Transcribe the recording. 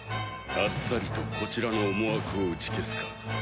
あっさりとこちらの思惑を打ち消すか。